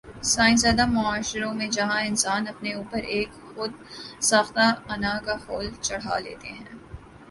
science زدہ معاشروں میں جہاں انسان اپنے اوپر ایک خود ساختہ انا کا خول چڑھا لیتے ہیں